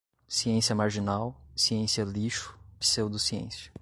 ciência marginal, ciência lixo, pseudociência